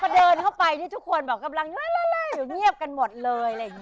พอเดินเข้าไปทุกคนกำลังล้ายอยู่เงียบกันหมดเลย